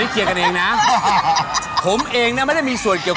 ไอโจ๊คมันจะเอาของที่มีค่า